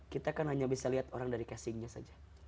kita kan hanya bisa lihat orang dari casingnya saja